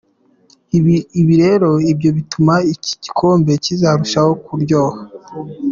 Ibi rero nibyo bituma iki gikombe kizarushaho kuryoha.